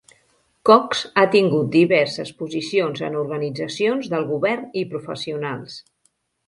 Cox ha tingut diverses posicions en organitzacions del govern i professionals.